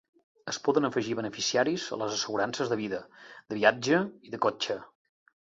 Es poden afegir beneficiaris a les assegurances de vida, de viatge i de cotxe.